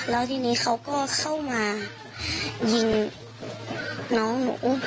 แล้วทีนี้เขาก็เข้ามายิงน้องหนู